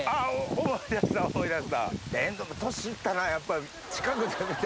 思い出した思い出した。